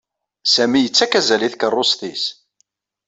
Sami yettak azal i tkeṛṛust-is.